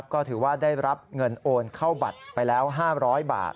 ก็ถือว่าได้รับเงินโอนเข้าบัตรไปแล้ว๕๐๐บาท